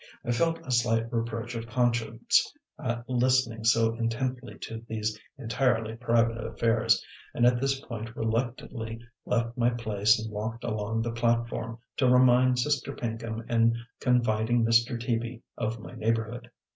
I felt a slight reproach of conscience at listening so intently to these entirely private affairs, and at this point reluctantly left my place and walked along the platform, to remind Sister Pinkham and confiding Mr. Teaby of my neighborhood.